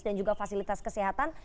dan juga fasilitas kesehatan